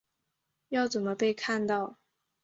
要怎么被看到